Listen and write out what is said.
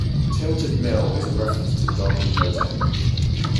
Tilted Mill is a reference to Don Quixote.